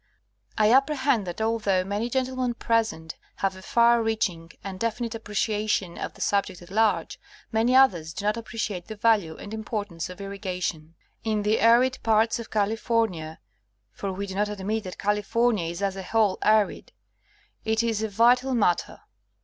I apprehend that although many gen tlemen present have a far reaching and definite appreciation of the subject at large, many others do not appreciate the value and importance of irrigation. In the arid parts of California (for we do not admit that California is as a whole arid) it is a vital mat ter.